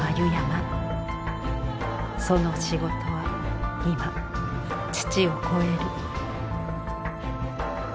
その仕事は今父を超える。